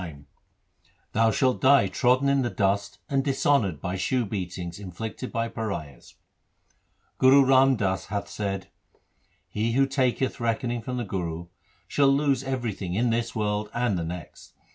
LIFE OF GURU HAR GOBIND 9 Thou shalt die trodden in the dust and dishonoured by shoe beatings inflicted by pariahs. Guru Ram Das hath said :— He who taketh reckoning from the Guru, shall lose everything in this world and the next.